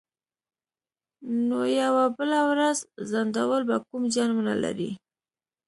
نو یوه بله ورځ ځنډول به کوم زیان ونه لري